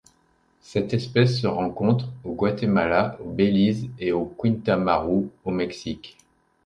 Cette espèce se rencontre au Guatemala, au Belize et au Quintana Roo au Mexique.